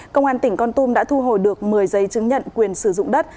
công an tỉnh con tum đã thu hồi được một mươi giấy chứng nhận quyền sử dụng đất